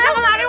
jangan lari bu